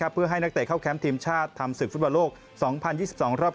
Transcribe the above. เพื่อให้นักเตะเข้าแคมป์ทีมชาติทำศึกฟุตบอลโลก๒๐๒๒รอบ